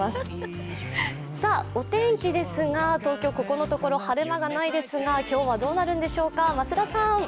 お天気ですが、東京ここのところ晴れ間がないですが今日はどうなるんでしょうか、増田さん。